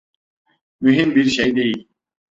Mühim bir şey değil.